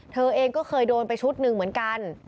เธอเองก็เคยโดนไปชุดหนึ่งเหมือนกัน